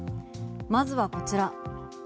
まずはこちら。